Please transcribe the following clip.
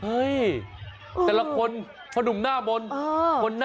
เฮ้ยแต่ละคนพอนุ่มหน้าบน